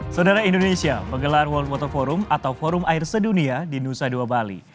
saudara indonesia menggelar world water forum atau forum air sedunia di nusa dua bali